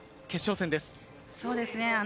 決勝戦です。